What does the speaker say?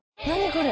これ。